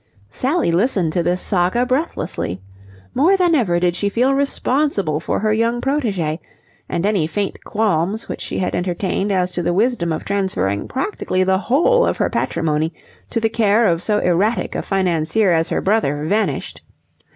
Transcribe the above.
Sally listened to this saga breathlessly. More than ever did she feel responsible for her young protégé, and any faint qualms which she had entertained as to the wisdom of transferring practically the whole of her patrimony to the care of so erratic a financier as her brother vanished.